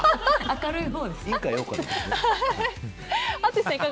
明るいほうですよね。